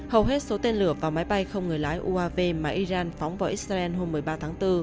hầu hết số tên lửa và máy bay không người lái uav mà iran phóng vào israel hôm một mươi ba tháng bốn